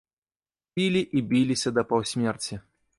Пілі і біліся да паўсмерці.